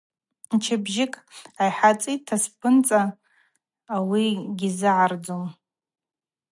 Мчыбжьыкӏ айхӏа цӏитӏта спныдза ауи гьизыгӏардзум.